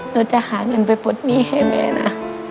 หนูจะหาเงินไปปลดหนี้ให้แม่นะ